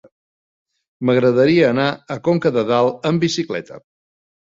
M'agradaria anar a Conca de Dalt amb bicicleta.